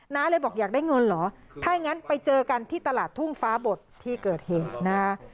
เลยบอกอยากได้เงินเหรอถ้าอย่างนั้นไปเจอกันที่ตลาดทุ่งฟ้าบดที่เกิดเหตุนะฮะ